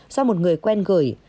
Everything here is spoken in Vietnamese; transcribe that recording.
do một người quen gửi